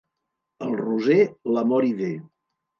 Al roser, l'amor hi ve.